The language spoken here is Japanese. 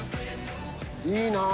いいなぁ！